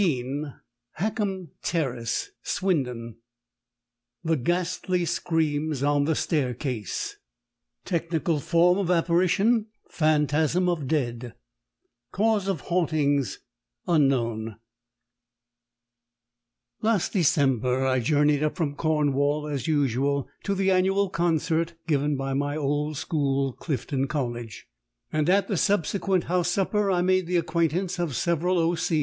NO. HACKHAM TERRACE SWINDON THE GHASTLY SCREAMS ON THE STAIRCASE Technical form of apparition: Phantasm of dead Cause of hauntings: Unknown Last December I journeyed up from Cornwall, as usual, to the annual concert given by my old school, Clifton College, and at the subsequent House Supper I made the acquaintance of several O.